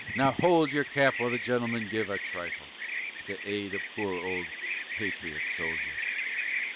Now hold your Cap while the gentlemen give a trifle, To aid a poor old patriot soldier!